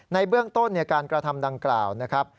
ในเบื้องต้นการกระทำดังกล่าวนะครับ